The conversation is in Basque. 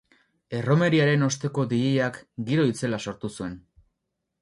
Erromeriaren osteko dj-ak giro itzela sortu zuen.